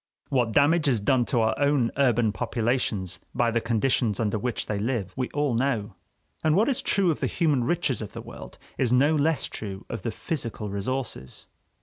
What damage is done to our own urban populations by the conditions under which they live, we all know. And what is true of the human riches of the world is no less true of the physical resources.